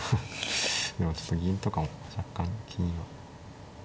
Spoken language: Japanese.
でもちょっと銀とかも若干気になる。